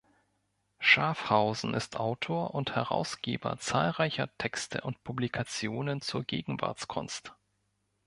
Schafhausen ist Autor und Herausgeber zahlreicher Texte und Publikationen zur Gegenwartskunst.